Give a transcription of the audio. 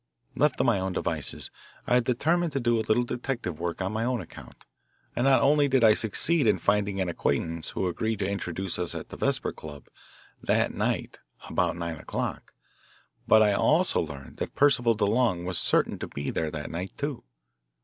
Left to my own devices I determined to do a little detective work on my own account, and not only did I succeed in finding an acquaintance who agreed to introduce us at the Vesper Club that night about nine o'clock, but I also learned that Percival DeLong was certain to be there that night, too.